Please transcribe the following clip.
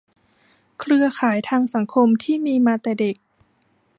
เครือข่ายทางสังคมที่มีมาแต่เด็ก